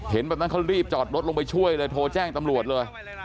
แบบนั้นเขารีบจอดรถลงไปช่วยเลยโทรแจ้งตำรวจเลย